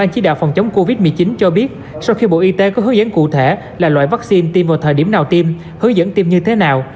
chỉ đạo phòng chống covid một mươi chín cho biết sau khi bộ y tế có hướng dẫn cụ thể là loại vaccine tiêm vào thời điểm nào tiêm hướng dẫn tiêm như thế nào